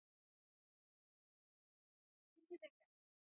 افغانستان په کندهار غني دی.